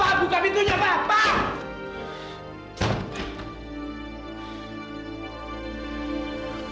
pak buka pintunya pak